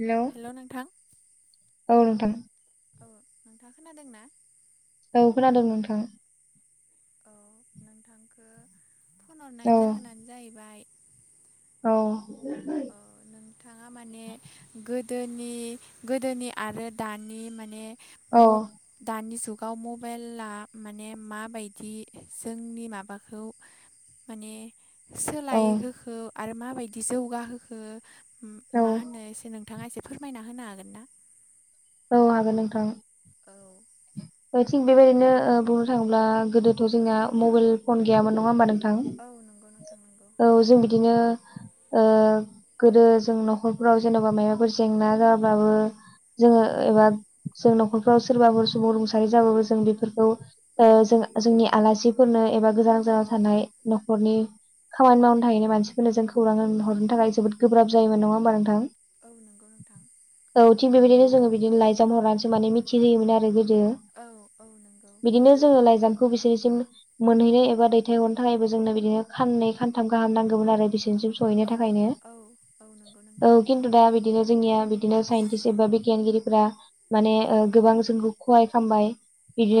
Hello hello नोंथां औ नोंथां औ नोंथाङा खोनादों ना औ खोनादों नोंथां औ नोंथांखौ फन औ हरनायनि जाहोनानो जाहैबाय औ ओ नोंथाङा माने गोदोनि गोदोनि आरो दानि माने औ मुब दानि जुगाव मबाइला माने माबायदि जोंनि माबाखौ माने सोलायहोखो आरो माबायदि जौगाहोखो औ मा होनो एसे नों नोंथाङा एसे फोरमायना होनो हागोन ना औ हागोन नोंथां औ ओ थिग बेबायदिनो ओ बुंनो थाङोब्ला गोदोथ' औ जोंना मबाइल फन गैयामोन नङा होनबा नों औ नंगौ नोंथां नंगौ औ जों बिदिनो ओ गोदो जों न'खरफ्राव जेन'बा मायबाफोर जेंना जाबाबो औ जोङो एबा जों न'खरफ्राव सोरबाफोर सुबुं रुंसारि जाबाबो जों बेफोरखौ औ ओ जों जोंनि आलासिफोरनो एबा गोजान औ गोजानाव औ थानाय न'खरनि खामानि मावनो थाहैनाय मानसि जों खौरां औ हरनो थाखाय जोबोद गोब्राब जायोमोन नङा होमबा नोंथां औ नंगौ नोंथां औ थिग बेबायदिनो औ जोङो बिदिनो लाइजाम हरनानैसो माने मिथिहोयोमोन आरो गोदो औ औ नंगौ बिदिनो जोङो लाइजामखौ बिसोरनिसिम मोनहैनो एबा दैथायहरनो थाखायबो जोंनो बिदिनो खाननै खानथाम गाहाम नांगौमोन आरो बिसिनि सहैनो औ थाखायनो औ नंगौ नोंथां औ कि तु दा बिदिनो जोंनिया बिदिनो साइन्टिस्ट एबा बिगियानगिरिफ्रा औ गोबां खहाय खामबाय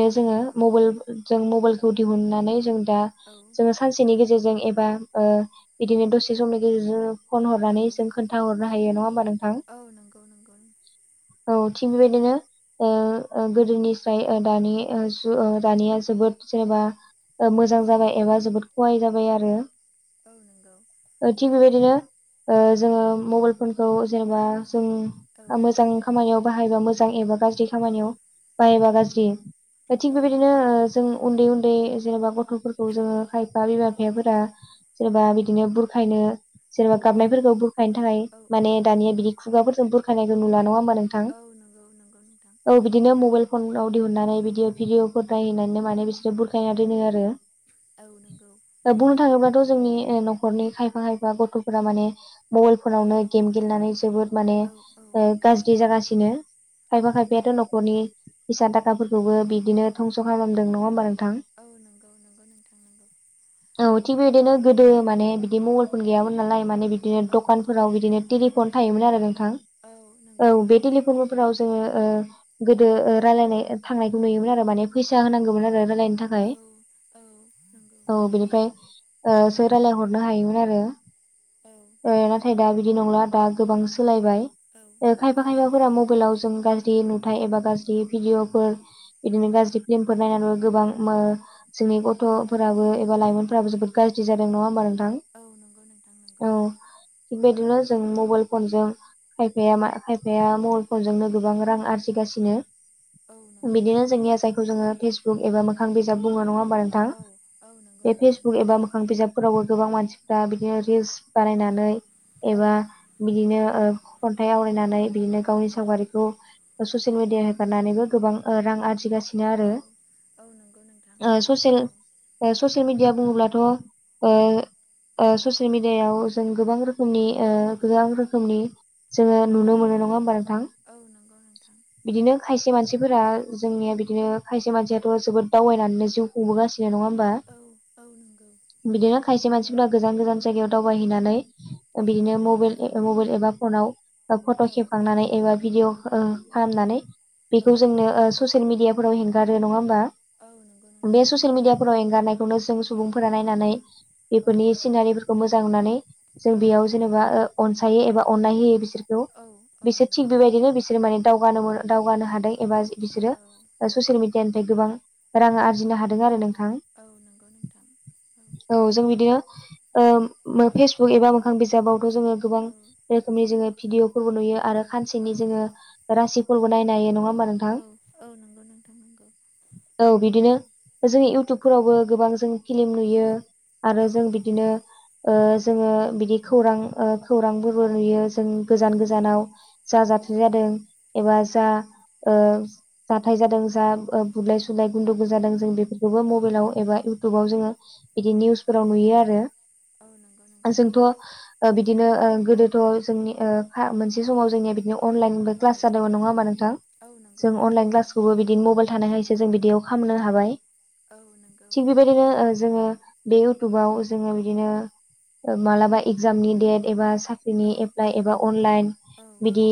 औ जोङो नंगौ मबाइल जों मबाइलखौ दिहुननानै जों दा औ जोङो सानसेनि गेजेरजों एबा ओ बिदिनो दसे समनि गेजेरजों फन औ हरनानै जों औ खोनथाहरनो हायो नङा होमबा नोंथां औ नंगौ नंगौ औ थिग बेबायदिनो ओ ओ गोदोनिफ्राय ओ दानि जु दानिया जोबोद जेनेबा ओ मोजां औ जाबाय एबा जोबोद खहाय जाबाय आरो औ नंगौ ओ थिग बेबायदिनो ओ जोङो मबाइलफोरखौ जेनेबा जों औ मोजां खामानियाव बाहायबा मोजां एबा गाज्रि औ खामानियाव बाहायबा गाज्रि थिग औ बेबायदिनो नंगौ नोंथां ओ जों उन्दै उन्दै जेनेबा गथ'फोरखौ जोङो हाइ बा बिमा औ बिफायाफोरा जेनेबा बिदिनो बुरखायनो जेनेबा औ गाबनायफोरखौ बुरखायनो थाखाय औ औ माने दानिया बिदि खुगाफोरजों बुरखानायखौ नुला नङा होमबा नो औ नंगौ नंगौ नोंथां औ बिदिनो मबाइल फनाव दिहुननानै बिदि भिडिअफोर नायहोनानैनो माने बिसोरो बुरखायना दोनो आरो औ नंगौ दा बुंनो थाङोब्लाथ' जोंनि न'खरनि खायफा खायफा गथ'फोरा माने। मबाइल औ फनावनो गेम गेलेनानै जोबोद माने औ औ गाज्रि जागासिनो। औ खायफा नंगौ खायफायाथ' न'खरनि फैसा औ थाखाफोरखौबो बिदिनो धंस' खालामदों नङा होनबा नोंथां। औ नंगौ नंगौ नोंथां नंगौ। औ थिग बेबायदिनो गोदो माने बिदि मबाइलफो गैयामोन नालाय माने बि। बिदिनो औ दखानफोराव बिदिनो टेलिफन थायोमोन आरो नोंथां। औ। औ नंगौ बे टेलिफन। फोराव जोङो ओ गोदो रायलायनाय थांनायखौ नुयोमोन आरो माने फैसा होनांगौमोन आरो रायलायनो थाखाय। औ औ नंगौ। औ बिनिफ्राय ओ-सो रायजलायहरनो हायोमोन आरो। औ ओ नाथाय दा बिदि नंला दा गोबां सोलायबाय। औ ओ खायफा खायफाफोरा नंगौ मबाइलाव जों गार। दि नुथाय एबा गाज्रि भिडअफोर बिदिनो गाज्रि फिल्म फोर नायनानै गोबां मो। जोंनि औ गथ'फोराबो एबा लाइमोनफोराबो जोबोर गाज्रि जादों नङा होमबा नोंथां। औ नंगौ नोंथां नंगौ। औ थिग बिदिनो जों मबाइल फनजों। खायफाया मा खायफाया मबाइल फोरजोंनो गोबां रां आरजिगासिनो। औ नंगौ बिदिनो नोंथां जोंनिया जायखौ जोङो फेसबुक एबा मोखां बिजाब बुङो नङा होमबा नों। थां औ औ नंगौ बे नोंथां फेसबुक नंगौ एबा मोख। मोखां बिजाबफोरावबो गोबां मानसिफ्रा बिदिनो रिल्स बानायनानै औ एबा। बिदिनो ओ खन्थाइ आवरायनानै बिदिनो गावनि औ सावगारिखौ ससियेल औ मिडिया। हगारनानैबो गोबां ओ रां आरजिगासिनो आरो औ औ नंगौ नोंथां ओ। ससियेल औ ओ ससियेल मिडिया बुङोब्लाथ' ओ ओ ससियेल मिडियायाव जों गोबां रो खोमनि ओ औ गोबां रोखोमनि जोङो औ नुनो मोनो नङा होमबा नोंथां। औ नंगौ नोंथां बिदिनो खायसे मानसिफोरा जोंनिया बिदिनो खायसे मानसियाथ' जोबोद दावबायनानै जिउ। खुंबोगासिनो नङा होमबा। औ औ नंगौ। बिदिनो खायसे मानसिफोरा गोजान गोजान जायगायाव दावबायहैनानै औ बिदिनो मबाइल ए मबाइल एबा फनाव फट' औ खेबखांनानै एबा भिदिअ' ओ खालामनानै औ बेखौ जोंनो ओ ससियेल मिडियाफोराव हेंगारो नङा होमबा। औ नंगौ। नोंथां बे नंगौ ससियेल मिडियाफोराव एंगारनायखौनो। जों औ सुबुंफोरा नायनानै औ बेफोरनि सिनारिफोरखौ मोजां नुनानै जों औ बेयाव जेनेबा ओ। अनसायो एबा अननाय होयो बिसोरखौ औ औ बिसोर थिग नंगौ बेबादिनो बिसोर माने दावगानो मोनो। दावगानो औ हादों एबा बिसोरो। औ ससियेल मिडियानिफ्राय गोबां रां आरजिनो हादों आरो नोंथां। औ नंगौ नोंथां। औ जों बिदिनो ओ फेसबुक एबा मोखां बिजाबावथ' जोङो गोबां। औ बे रोखोमनि जोङो भिदिअ' फोरबो नुयो आरो औ खानसेनि औ जोङो रासिफोरबो नायनो हायो नङा होमबा नों। औ औ नंगौ नोंथां नंगौ। औ बिदिनो जों इउटुबफोरावबो गोबां जों फिल्म नुयो। आरो औ जों बिदिनो ओ जोङो बिदि खौरां ओ खौरांफोरबो नुयो। जों गोजान औ गोजानाव जा औ जाथाय जादों। नंगौ एबा जा ओ जाथाय जादों जा बुलाय सुलाय गुन्दुगुल जादों जों बे। बेखौबो औ मबाइलाव एबा इउटुबाव जोङो। बिदि निउसफोराव औ नुयो आरो औ नंगौ नोंथां जोंथ' ओ बिदिनो ओ गोदो। थ' जोंनि ओ फा मोनसे समाव जोंनिया बिदिनो अनलाइनबो औ क्लास जादोंमोन नङा होनबा नोंथां औ नंगौ जों नोंथां अनलाइन नंगौ क्लास खौबो बिदिनो मबाइल थानायखायसो जों बिदियाव खालामनो हाबाय। औ नंगौ। थिग बेबायदिनो ओ जोङो बे इउटुबाव जोङो बिदिनो। मालाबा इगजामनि डेट एबा साख्रिनि औ एप्लाइ एबा अनलाइन औ बिदि।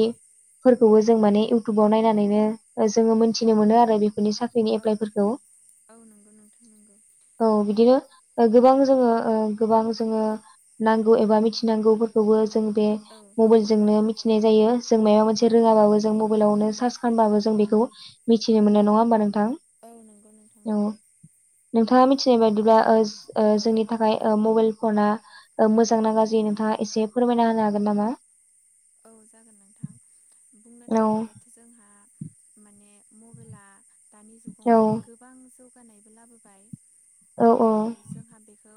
फोरखौबो जों माने इयउटुबाव नायनानैनो ओ जोङो मोनथिनो मोनो आरो बेफोरनि सा [unintelligible] औ एप्लाइफोरखौ। औ नंगौ नोंथां नंगौ औ बिदिनो गोबां जोङो ओ गोबां जोङो औ नां एबा मिथिनांगौफोरखौबो जों बे औ मबाइल जोंनो मिथिनाय जायो जों माबा मोनसे औ रोङाबो जों मबाइलावनो सार्च खालामबाबो जों बेखौ मिथिनो मोननाय औ नङा होमबा नोंथां? औ नंगौ नोंथां औ। नंगौ नोंथाङा औ मिथिनाय बायदिब्ला ओ ओ जोंनि औ थाखाय ओ मबाइल फना मोजां ना औ गाज्रि नोंथाङा एसे फोरमायना होनो हागोन नामा? औ जागोन नोंथां बुंनो औ थाङोब्ला जोंहा माने मबाइला दा जुगाव औ माने गो गोबां जौगानायबो लाबोबाय औ जोंहा बेखौ।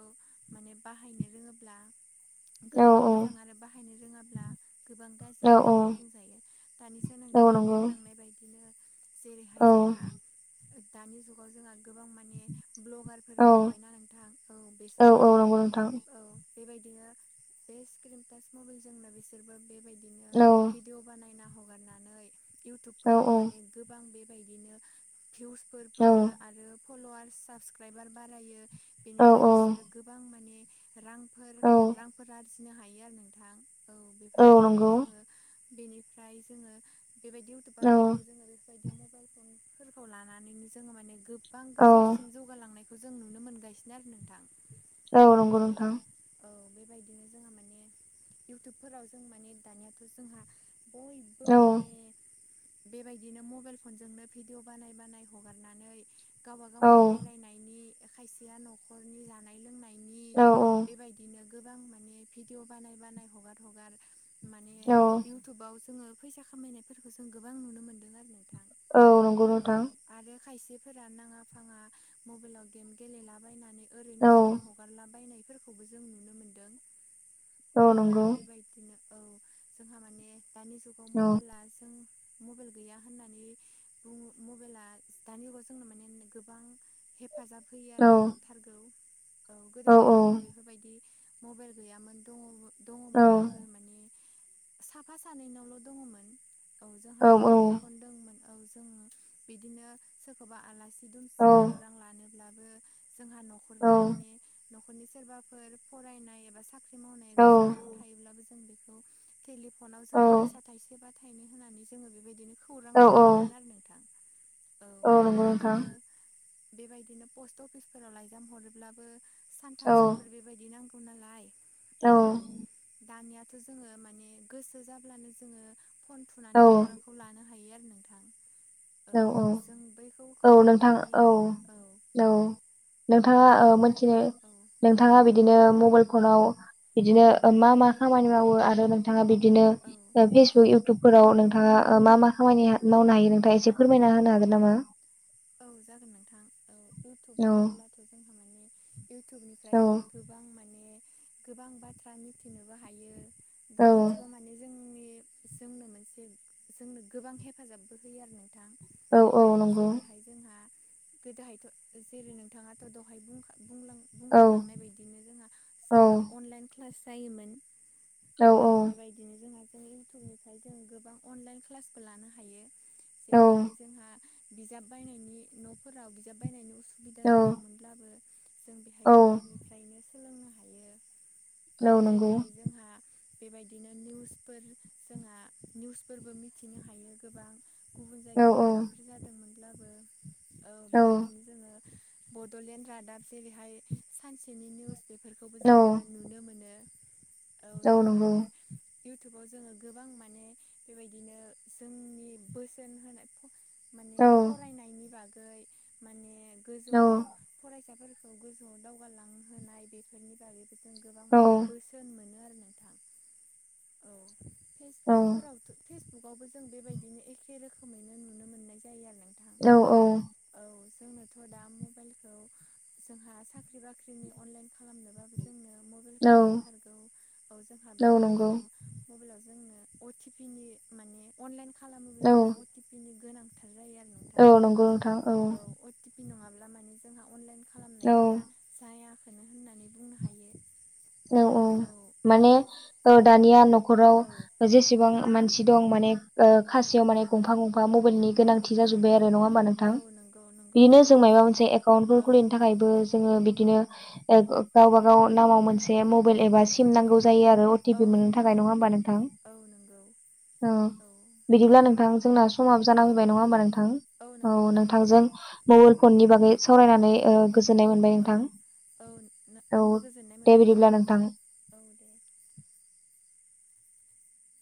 माने बाहायनो रोङोब्ला गोबां मोजां औ आरो बाहायनो रोङाब्ला गोबां गाज्रि औ औ होननानै बुंजायो दानिसो औ नोंथाङा नंगौ बुंलांनाय बायदिनो जेरैहाय औ जोंहा दानि जुगाव जोंहा गोबां माने ब्लगारफोर औ ओंखारबायना नोंथां औ औ बेसोरबो औ बे नंगौ नोंथां औ बेबायदिनो बे स्क्रिन टाच मबाइल जोंनो बिसोरबो बेबायदिनो। औ भिडिअ बानायना हगारनानै औ इउटुबफोराव औ माने गोबां बेबायदिनो भिउसफोर फैयो औ आरो फल'वार्स साबसक्राइबार बारायो औ बेनिफ्राय औ बिसोरो गोबां माने रांफोर औ रांफोर आरजिनो हायो आरो नोंथां औ बे बेफोरबायदिखौ जोङो बेनिफ्राय जोङो बेबायदि औ इउटुबारफोरखौ जोङो बेबायदि मबाइल फन जोङो गोबां औ गोजौसिम जौगालांनाय बेखौ मोनगासिनो आरो नोंथां। औ नंगौ नोंथां। औ बेबायदिनो जोंहा माने इउटुबफोराव जों माने दानियाथ' जोंहा। बयबो औ माने। बेबायदिनो मबाइल भिडिअ बानाय हगारनानै गावबा औ गावनि बेरायनायनि खायसेया नखरनि जानाय लोंनायनि औ बेबायदिनो गोबां माने भिडिअ बानाय बानाय हगार हगार माने औ इउटुबाव जोङो फैसा खामायनायफोरखौ जों गोबां नुनो मोनदों आरो नोंथां। औ नंगौ औ नोंथां। आरो खायसेफोरा नाङा फाङा मबाइलाव गेम गेलेलाबायनानै ओरैनो औ सम हगारलाबायायनायफोरखौबो जों नुनो मोनदों। औ बेबायदिनो औ जोंहा माने दानि जुगाव औ मबाइला जों मबाइल गैया होननानै बुङो मबाइला दानि जुगाव जोंनो माने गोबां हेफाजाब होयो आरो औ नांथारगौ औ औ गोदोहायथ' जोङो बेफोरबायदि। मबाइल गैयामोन औ दङ-दङमोनब्लाबो माने साफा सानैनावल' दङमोन औ जोंहा टेलिफन दं मोन औ जों बिदिनो सोरखौबा आलासि दुमसि औ खौरां लानोब्लाबो जोंहा औ न'खरनि माने न'खरनि सोरबाफोर फरायनाय एबा साख्रि मावनाया औ गोजानाव थायोब्लाबो जों बेखौ टेलिफनाव जोङो फैसा थाइसे बा था फाइनो होनानै जोङो बेबायदिनो खौरां लाहैयोमोन आरो नोंथां। औ नंगौ नोंथां बेबायदिनो बेबायदिनो पस्ट अफिसफोराव लाइजाम हरोब्लाबो। सानथाम औ सानब्रै बेबायदि नांगौ नालाय औ दानिया थ' जोङो माने गोसो जाब्लानो जोङो फन औ थुनानै खौरांखौ लानो हायो आरो नोंथां। औ औ जों बैखौ औ खौरां नोंथां लानि औ औ औ नोंथाङा ओ बेबायदि मोनथिनो औ नोंथाङा बिदिनो मबाइल फनाव बिदिनो ओ मा मा खामानि मावो आरो नोंथाङा बिदिनो औ ओ फेसबुक इउटुबफोराव नोंथाङा ओ मा मा खामानि मावनो हायो नोंथाङा एसे फोरमायना होनो हागोन नामा? औ जागोन नोंथां औ इउटुब औ बोनोब्लाथ' जोंहा माने इयउटुबनिफ्राय औ जों गो बां माने गोबां बाथ्रा मिथिनोबो हायो औ उटुबा माने माने जोंनि जोंनो मोनसे जोंनो गोबां हेफाजाबबो होयो आरो नोंथां औ जेरैहाय जोंहा गोदोहायथ' जेरै नोंथाङा दहाय बुंखा बुंलां औ बुंखालांनाय बायदिनो जोंहा औ जोंहा अनलाइन क्लास जायोमोन। औ बेबायदिनो जोंहा जों इयउटुबनिफ्राय जों गोबां अनलाइन क्लासबो लानो हायो। औ जेरैहाय जोंहा बिजाब बायनायनि न'फोराव बिजाब बायनायनि उसुबिदा औ जादोंमोन। ब्लाबो जों बेहाय औ इउटुबनिफ्रायनो सोलोंनो हायो। औ जेरैहाय जोंहा बेबायदिनो निउसफोर जोंहा निउसफोरबो मिथिनो हायो गोबां गुबुन औ जायगायाव औ मायबाफोर जादोंमोनब्लाबो औ बेबायदिनो जोङो बड'लेण्ड रादाब जेरैहाय सानसेनि निउस बेफोरखौबो जोङो नुनो मोनो औ औ जोंहा नंगौ आरो उइटुबाव जोङो गोबां माने बेबायदिनो जोंनि बोसोन होनाय औ माने फरायनायनि बागै माने औ गोजौआव फरायसाफोरखौ गोजौआव दावगालांहोनाय बेफोरनि बागै जों गोबां औ माने बोसो सोन मोनो आरो नोंथां औ औ फेसबुकफोरावथ' फेसबुकावबो जों बेबायदिनो एखे रोखोमैनो नुनो मोननाय जायो आरो नोंथां। औ औ औ जोंनोथ' दा मबाइलखौ जोंहा साख्रि-बाख्रिनि अनलाइन खालामनोबाबो जोंनो मबाइलखौ नांथारगौ औ जोंहा बे औ नंगौ मबाइल नङा मबाइलाव जोंनो अटिपि नि माने अनलाइन खालामोब्ला औ जोंनो अटिपि पिनि गोनांथार जायो आरो नोंथां औ अटि पि नङाब्ला माने जोंहा अनलाइन औ खालामनायफोरा जायाखोनो होननानै बुंनो हायो। औ औ औ माने औ दानिया न' खराव औ जेसेबां मानसि दं माने ओ खासेयाव माने गंफा गंफा मबाइलनि औ गोनांथि जाजोब्बाय आरो नङा होमबा नोंथां औ नंगौ नंगौ बिदिनो जों नोंथां माइबा मोनसे एकाउन्टफोर औ खुलिनो थाखायबो जोङो बिदिनो ओ‌ गावबा गाव नामाव मोनसे मबाइल औ एबा सिम नांगौ जायो आरो औ अटिपि मोननो नंगौ थाखाय नङा होमबा नोंथां? औ नंगौ औ औ बिदिब्ला नोंथां जोंना समाब औ जानांफैबाय नङा होमबा नोंथां? नंगौ औ नोंथां नोंथांजों नंगौ मबाइल फननि बागै सावरायनानै ओ गोजोननाय मोनबाय औ नोंथां। औ औ आंबो गोजोननाय दे मोनबाय बिदिब्ला नोंथां औ दे